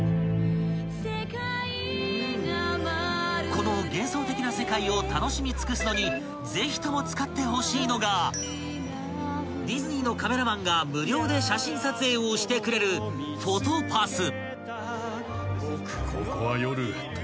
［この幻想的な世界を楽しみ尽くすのにぜひとも使ってほしいのがディズニーのカメラマンが無料で写真撮影をしてくれるフォトパス］